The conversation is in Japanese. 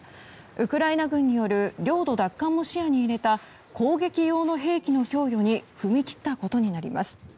ウクライナ軍による領土奪還も視野に入れた攻撃用の兵器の供与に踏み切ったことになります。